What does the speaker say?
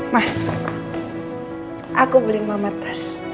ma aku beli mama tas